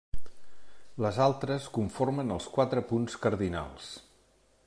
Les altres conformen els quatre punts cardinals.